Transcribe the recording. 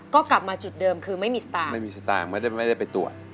ก็กลับมาจุดเดิมคือไม่มีสตางค์ไม่มีสตางค์ไม่ได้ไปตรวจ